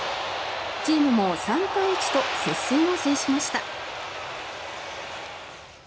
チームも３対１と接戦を制しました。